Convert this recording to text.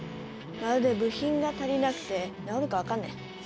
まるで部品が足りなくて直るか分かんねえ。